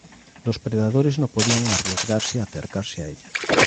Los predadores no podían arriesgarse a acercarse a ella.